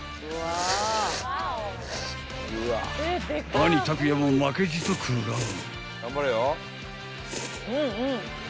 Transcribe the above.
［兄たくやも負けじと食らう］